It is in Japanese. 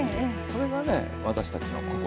それがね私たちの心。